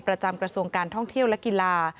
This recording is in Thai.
กระทรวงการท่องเที่ยวและกีฬา